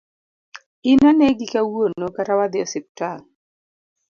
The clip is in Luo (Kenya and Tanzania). In anegi kawuono kata wadhi osiptal